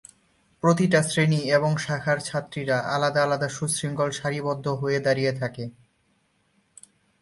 প্রতিটা শ্রেণী এবং শাখার ছাত্রীরা আলাদা আলাদা সুশৃঙ্খল সারিবদ্ধ হয়ে দাঁড়িয়ে থাকে।